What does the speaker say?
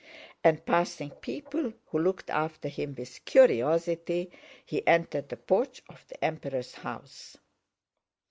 And passing people who looked after him with curiosity, he entered the porch of the Emperor's house.